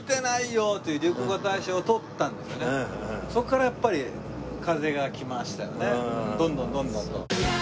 ９０年代にそこからやっぱり風が来ましたよねどんどんどんどんと。